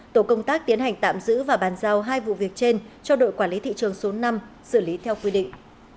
tổ công tác tiến hành tạm giữ và bàn giao hai vụ việc trên cho đội quản lý thị trường số năm xử lý theo quy định